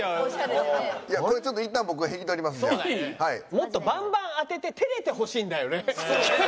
もっとバンバン当てて照れてほしいんだよね。